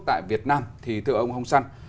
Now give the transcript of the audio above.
tại việt nam thì thưa ông hồng săn